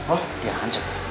oh di ancem